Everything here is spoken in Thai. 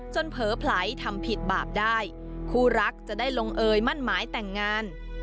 เผลอไผลทำผิดบาปได้คู่รักจะได้ลงเอยมั่นหมายแต่งงาน